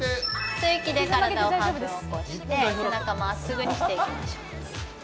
吸う息で体を半分起こして、おなかまっすぐにしていきましょう。